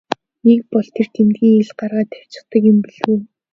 Нэг бол тэр тэмдгийг ил гаргаад тавьчихдаг юм билүү.